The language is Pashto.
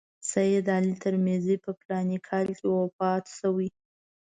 سید علي ترمذي په فلاني کال کې وفات شوی.